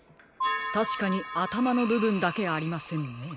たしかにあたまのぶぶんだけありませんね。